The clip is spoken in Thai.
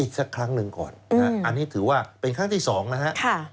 สักครั้งหนึ่งก่อนอันนี้ถือว่าเป็นครั้งที่๒นะฮะ